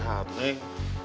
jual sehat neng